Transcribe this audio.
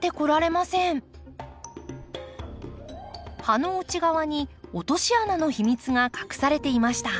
葉の内側に落とし穴の秘密が隠されていました。